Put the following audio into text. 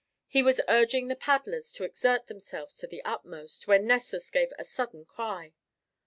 He was urging the paddlers to exert themselves to the utmost, when Nessus gave a sudden cry.